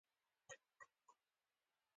انجینیر مهدي بازرګان کتاب لیکلی دی.